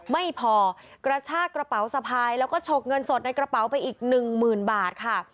ไม่พอกระชากระเป๋าสะพายแล้วก็ฉกเงินสดในกระเป๋าไปอีกหนึ่งหมื่นบาทค่ะ